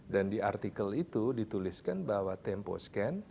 dan di artikel itu dituliskan bahwa temposcan